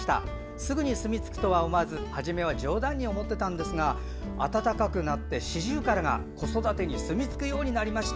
すぐにすみつくとは思わず初めは冗談に思っていたんですが暖かくなってシジュウカラが子育てにすみつくようになりました。